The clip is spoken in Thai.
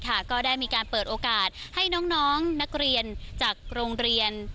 ก็ได้มีการเปิดโอกาสให้น้องนักเรียนจากโรงเรียน